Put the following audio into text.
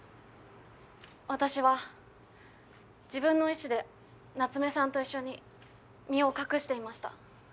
私は自分の意思で夏目さんと一緒に身を隠していました。